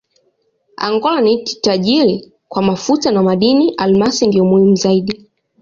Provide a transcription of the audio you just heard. Angola ni nchi tajiri kwa mafuta na madini: almasi ndiyo muhimu zaidi.